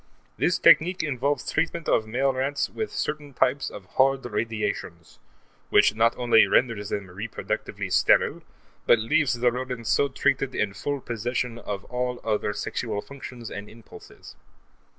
This technique involves treatment of male rats with certain types of hard radiations, which not only renders them reproductively sterile but leaves the rodents so treated in full possession of all other sexual functions and impulses.